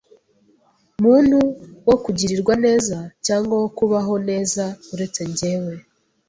muntu wo kugirirwa neza cyangwa wo kubaho neza uretse njyewe